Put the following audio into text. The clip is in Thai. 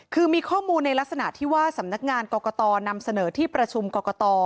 คือมีข้อมูลในลักษณะที่ว่าสำนักงานกรกตนำเสนอที่ประชุมกรกต